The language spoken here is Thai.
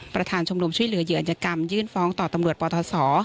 ประธานชมรมช่วยเหลือเหยื่ออัธยกรรมยื่นฟ้องต่อตำรวจปศ